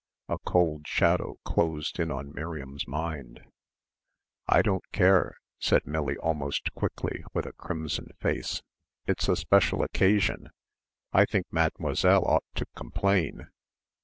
A cold shadow closed in on Miriam's mind. "I don't care," said Millie almost quickly, with a crimson face. "It's a special occasion. I think Mademoiselle ought to complain.